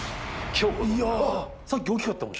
さっき大きかったもん。